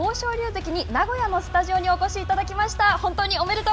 関に名古屋のスタジオにお越しいただきました。